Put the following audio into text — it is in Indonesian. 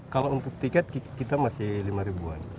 kalau untuk tiket kita masih lima ribuan